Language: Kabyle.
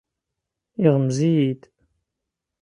Yeɣmez-iyi-d.